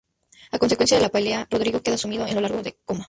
A consecuencia de la pelea, Rodrigo queda sumido en un largo coma.